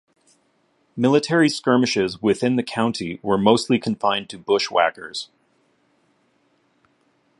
Military skirmishes within the county were mostly confined to bushwhackers.